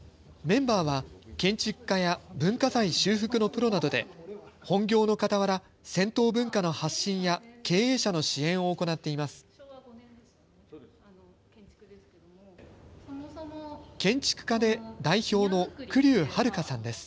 メンバーは、建築家や文化財修復のプロなどで、本業のかたわら、銭湯文化の発信や経営者の支援を行っています。